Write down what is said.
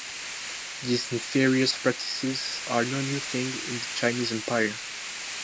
These nefarious practices are no new thing in the Chinese empire.